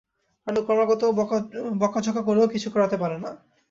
রানু ক্রমাগত বকঝকা করেও কিছু করাতে পারে না।